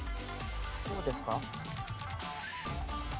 こうですか？